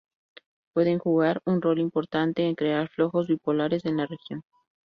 Pueden jugar un rol importante en crear flojos bipolares en la región.